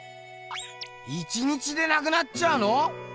１日でなくなっちゃうの？